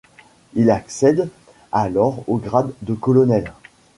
Il accède alors au grade de colonel.